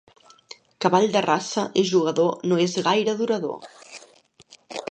Cavall de raça i jugador no és gaire durador.